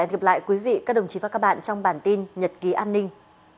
hẹn gặp lại quý vị các đồng chí và các bạn trong bản tin nhật ký an ninh